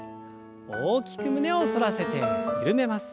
大きく胸を反らせて緩めます。